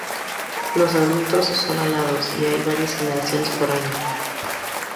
Los adultos son alados y hay varias generaciones por año.